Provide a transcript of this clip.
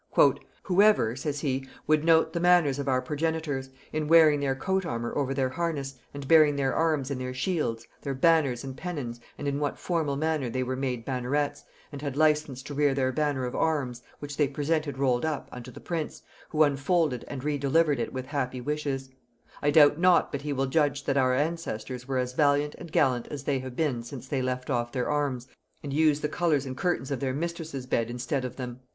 "Whoever," says he, "would note the manners of our progenitors, in wearing their coat armour over their harness, and bearing their arms in their shields, their banners and pennons, and in what formal manner they were made bannerets, and had license to rear their banner of arms, which they presented rolled up, unto the prince, who unfolded and re delivered it with happy wishes; I doubt not but he will judge that our ancestors were as valiant and gallant as they have been since they left off their arms and used the colors and curtains of their mistress' bed instead of them."